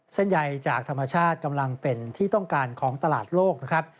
เส้นใยจากธรรมชาติกำลังเป็นที่ต้องการของตลาดโลกนะครับ